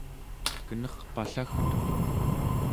kenerpallagtuq